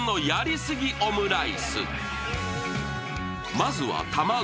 まずは卵。